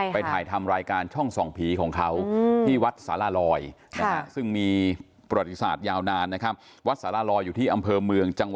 ไปถ่ายทำรายการช่องส่องผีของเขาที่วัฏสารลรอยก์